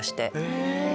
へぇ！